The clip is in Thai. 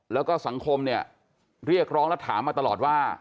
แล้วก็สังคมเนี่ยเรียกร้องและถามมาตลอดว่า